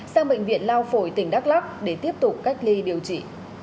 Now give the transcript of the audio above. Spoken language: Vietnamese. sang bệnh viện lao phổi tỉnh đắk lắc để tiếp tục cách ly điều trị